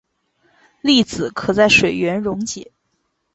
粒子可在水源溶解。